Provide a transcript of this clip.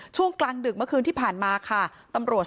ช่วงกลางดึกเมื่อคืนที่ผ่านมาค่ะตำรวจ